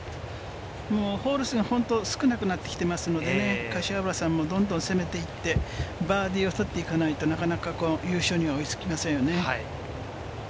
ホール数が少なくなってきてますので、柏原さんもどんどん攻めていって、バーディーを取っていかないと、なかなか優勝には追いつきませんよね。